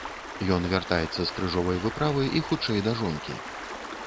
Ён вяртаецца з крыжовай выправы і хутчэй да жонкі.